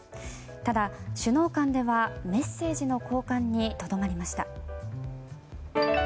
ただ、首脳間ではメッセージの交換にとどまりました。